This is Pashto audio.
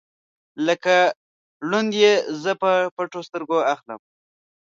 لکه ړوند یې زه په پټو سترګو اخلم